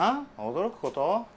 驚くこと？